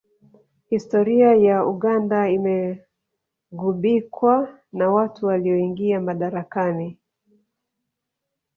Historia ya Uganda imeghubikwa na watu walioingia madarakani